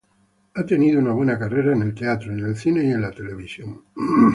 Ha tenido una buena carrera en el teatro, cine y televisión.